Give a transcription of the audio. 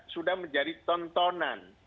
sudah menjadi tontonan